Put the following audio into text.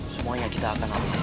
semuanya kita akan habisi